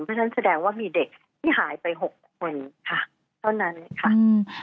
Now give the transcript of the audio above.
เพราะฉะนั้นแสดงว่ามีเด็กที่หายไปหกคนค่ะเท่านั้นค่ะอืม